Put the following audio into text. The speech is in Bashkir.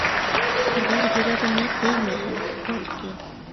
Әгәр йөрәгенә теймәһә, бәлки...